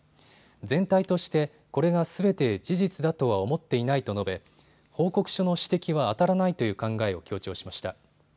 全体として、これがすべて事実だとは思っていないと述べ報告書の指摘はあたらないという考えを強調しました。